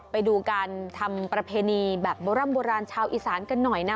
ไปดูการทำประเพณีแบบโบร่ำโบราณชาวอีสานกันหน่อยนะ